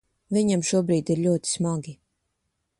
Viņam šobrīd ir ļoti smagi.